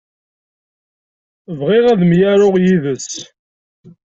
Bɣiɣ ad myaruɣ yid-s.